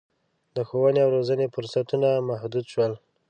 د ښوونې او روزنې فرصتونه محدود شول.